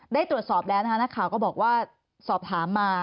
ได้ตรวจสอบแล้วนะคะนักข่าวก็บอกว่าสอบถามมา